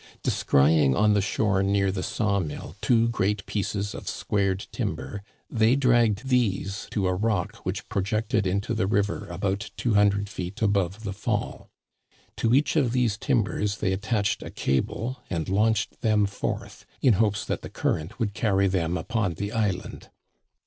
Descrying on the shore near the saw mill two great pieces of squared timber, they dragged these to a rock which projected into the river about two hundred feet above the fall ; to each of these timbers they attached a , cable and launched them forth, in hopes that the cur rent would carry them upon the island.